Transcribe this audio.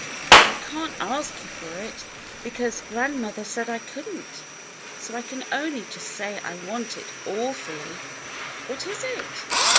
"But I can't ask you for it, because grand mother said I could n't, so I can only just say I want it awfully." "What is it?"